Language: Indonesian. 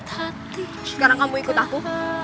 sekarang kamu ikut aku